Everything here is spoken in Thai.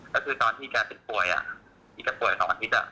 ก็คือตอนที่แกติดป่วยอ่ะอีกก็ป่วยสองอาทิตย์อ่ะ